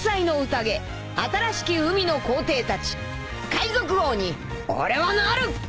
海賊王に俺はなる！